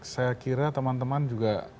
saya kira teman teman juga